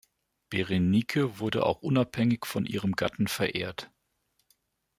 Berenike wurde auch unabhängig von ihrem Gatten verehrt.